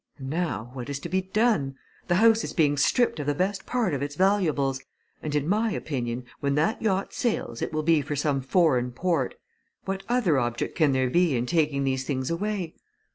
And now what is to be done? The house is being stripped of the best part of its valuables, and in my opinion when that yacht sails it will be for some foreign port. What other object can there be in taking these things away?